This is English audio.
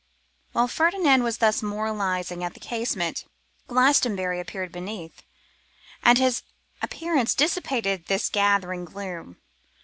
While Ferdinand was thus moralising at the casement, Glastonbury appeared beneath; and his appearance dissipated this gathering gloom.